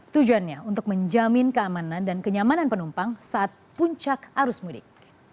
tujuannya untuk menjamin keamanan dan kenyamanan penumpang saat puncak arus mudik